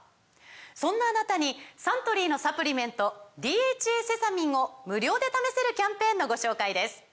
そんなあなたにサントリーのサプリメント「ＤＨＡセサミン」を無料で試せるキャンペーンのご紹介です